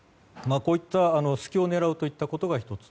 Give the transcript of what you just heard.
こういった隙を狙うということが１つ。